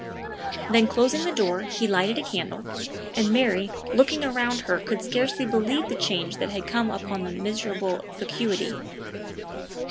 Then closing the door, he lighted a candle, and Mary looking about her could scarcely believe the change that had come upon the miserable vacuity.